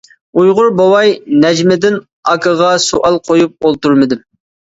ئۇيغۇر بوۋاي نەجمىدىن ئاكىغا سوئال قويۇپ ئولتۇرمىدىم.